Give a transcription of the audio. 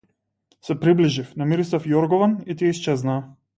Се приближив, намирисав јоргован и тие исчезнаа.